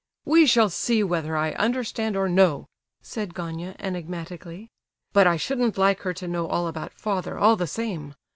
"We shall see whether I understand or no!" said Gania, enigmatically. "But I shouldn't like her to know all about father, all the same.